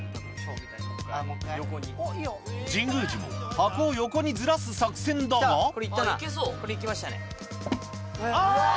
神宮寺も箱を横にズラす作戦だがあ！